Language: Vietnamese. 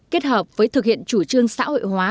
kết hợp với thực hiện chủ trương xã hội hóa